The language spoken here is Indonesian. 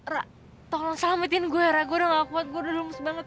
rah tolong selamatin gue ragu ngekuat gue lulus banget